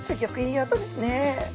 い音ですね。